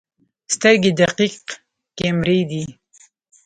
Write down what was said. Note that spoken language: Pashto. سترګې دقیق کیمرې دي.